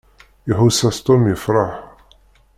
Iḥuss-as Tom yefṛeḥ.